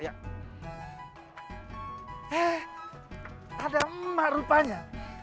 ada emak rupanya